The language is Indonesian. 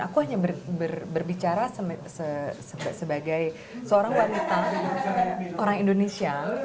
aku hanya berbicara sebagai seorang wanita orang indonesia